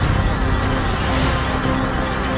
saya sudah tidak memohon